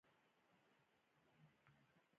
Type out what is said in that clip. • واده د مینې رښتینی ازموینه ده.